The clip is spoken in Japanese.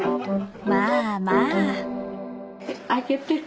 ［まあまあ］